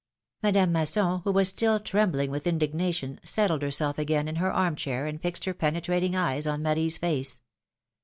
Madame Masson, who was still trembling with indig nation, settled herself again in her arm chair and fixed her penetrating eyes on Marie's face.